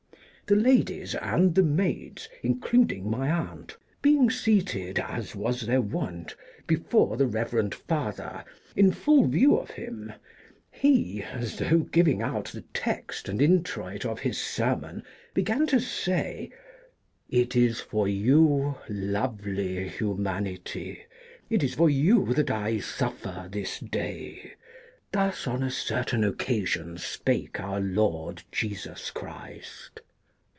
The ladies and the maids, including my aunt, being seated as was their wont before the reverend father, in full view of him, he, as though giving out the text and introit of his sermon, began to say :' It is for you, lovely humanity, it is for you that I suffer this day. Thus on a certain occasion spake our Lord Jesus Christ.'